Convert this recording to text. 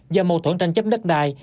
do mâu thuẫn tranh chấp đất đai